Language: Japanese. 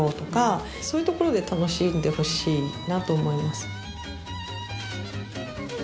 そういうところで楽しんでほしいなと思います。